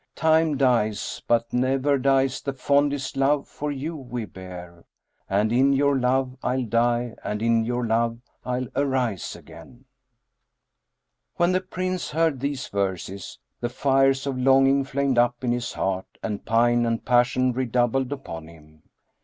Time dies but never dies the fondest love for you we bear; * And in your love I'll die and in your love I'll arise again."[FN#20] When the Prince heard these verses, the fires of longing flamed up in his heart and pine and passion redoubled upon him.